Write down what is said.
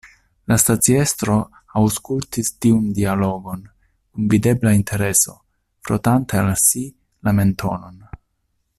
La staciestro aŭskultis tiun dialogon kun videbla intereso, frotante al si la mentonon.